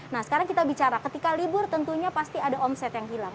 nah sekarang kita bicara ketika libur tentunya pasti ada omset yang hilang